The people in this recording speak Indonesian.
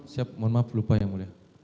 siap mohon maaf lupa yang mulia